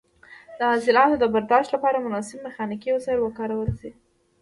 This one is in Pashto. د حاصلاتو د برداشت لپاره مناسب میخانیکي وسایل وکارول شي.